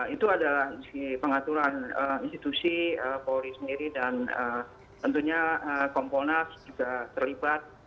itu adalah pengaturan institusi polri sendiri dan tentunya kompolnas juga terlibat